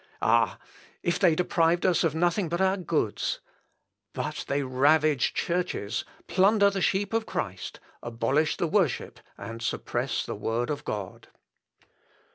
Ah! if they deprived us of nothing but our goods. But they ravage churches, plunder the sheep of Christ, abolish the worship and suppress the word of God."